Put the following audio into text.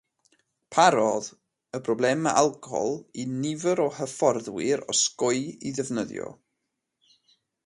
Parodd y problemau alcohol i nifer o hyfforddwyr osgoi ei ddefnyddio.